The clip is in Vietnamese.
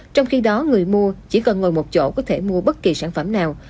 trong khi đó người mua chỉ cần ngồi một chỗ có thể mua bất kỳ sản phẩm nào